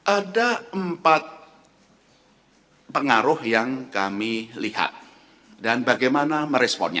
ada empat pengaruh yang kami lihat dan bagaimana meresponnya